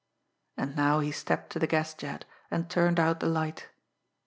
And now he stepped to the gas jet, and turned out the light.